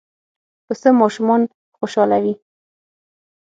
پسه ماشومان خوشحالوي.